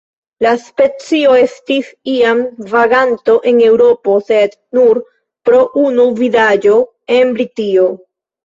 La specio estis iam vaganto en Eŭropo, sed nur pro unu vidaĵo en Britio.